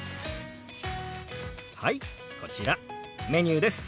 はいこちらメニューです。